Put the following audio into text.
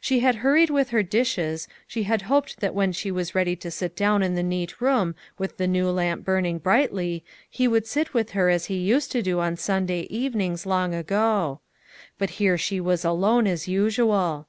She had hurried with her dishes, she had hoped that when she was ready to sit down in the neat room with the new lamp burning brightly, he would sit with her as he used to do on Sunday evenings long ago. But here she was alone, as usual.